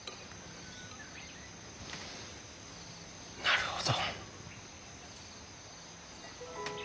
なるほど。